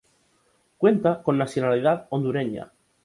Cuenta con nacionalidad Hondureña.